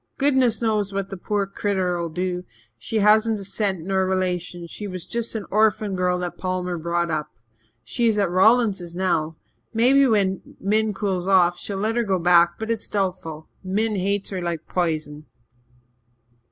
Goodness knows what the poor critter'll do. She hasn't a cent nor a relation she was just an orphan girl that Palmer brought up. She is at Rawlingses now. Maybe when Min cools off, she'll let her go back but it's doubtful. Min hates her like p'isen."